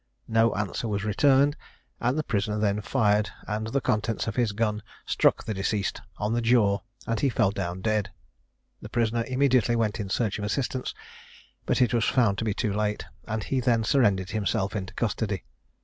No answer was returned, and the prisoner then fired and the contents of his gun struck the deceased on the jaw, and he fell down dead. The prisoner immediately went in search of assistance, but it was found to be too late, and he then surrendered himself into custody.